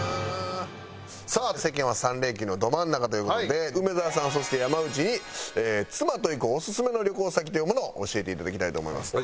さあ世間は３連休のど真ん中という事で梅沢さんそして山内に妻と行くオススメの旅行先というものを教えていただきたいと思います。